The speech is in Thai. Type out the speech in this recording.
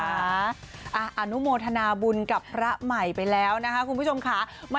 อนุโมทนาบุญกับพระใหม่ไปแล้วนะคะคุณผู้ชมค่ะ